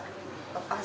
dengar saya bilang patah